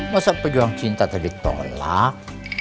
masa pejuang cinta tadi tolak